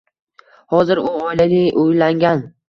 Hozir u oilali, uylangan.